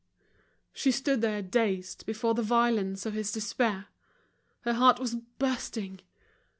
She stood there dazed before the violence of this despair. Her heart was bursting.